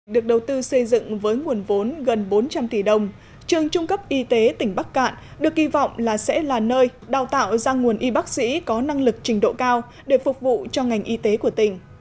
được đầu tư xây dựng với nguồn vốn gần bốn trăm linh tỷ đồng trường trung cấp y tế tỉnh bắc cạn được kỳ vọng là sẽ là nơi đào tạo ra nguồn y bác sĩ có năng lực trình độ cao để phục vụ cho ngành y tế của tỉnh